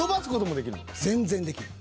全然できる。